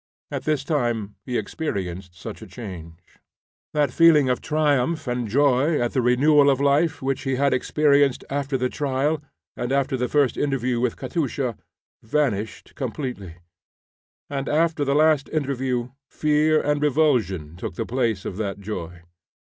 At this time he experienced such a change. That feeling of triumph and joy at the renewal of life which he had experienced after the trial and after the first interview with Katusha, vanished completely, and after the last interview fear and revulsion took the place of that joy.